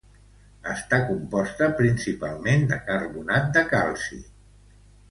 Està composta principalment de carbonat de calci.